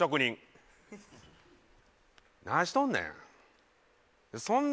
何しとんねん？